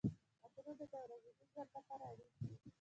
عطرونه د ورځني ژوند لپاره اړین دي.